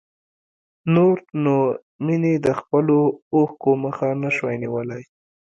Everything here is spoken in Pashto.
نور نو مينې د خپلو اوښکو مخه نه شوای نيولی.